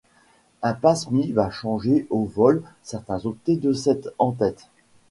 Un PassMe va changer au vol certains octets de cet en-tête.